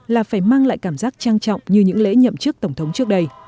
là phải mang lại cảm giác trang trọng như những lễ nhậm chức tổng thống trước đây